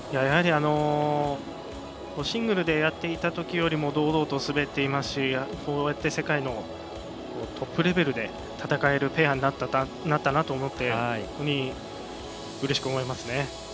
やはりシングルでやっていたときよりも堂々と滑っていますしこうやって世界のトップレベルで戦えるペアになったなと思って本当にうれしく思いますね。